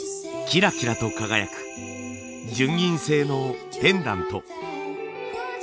キラキラと輝く純銀製のペンダント。